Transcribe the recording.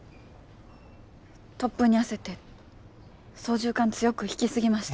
突風に焦って操縦かん強く引き過ぎました。